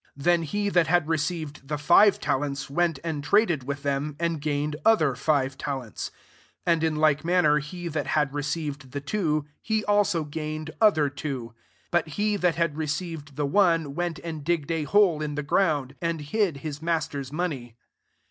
16 Then he that had received the five talents, went and traded with them, and gained other five [talentsl. 17 And in like manner he that had received the two, [he also] gained other two 18 But he that had received the one, went and digged a hole in the ground, and hid his mas ter's money.